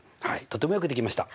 とてもよくできました！